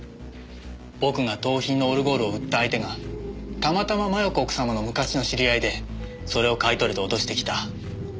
僕が盗品のオルゴールを売った相手がたまたま摩耶子奥様の昔の知り合いでそれを買い取れと脅してきた。